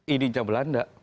ini di jawa belanda